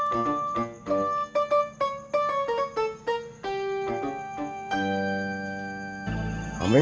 beritahu dia pak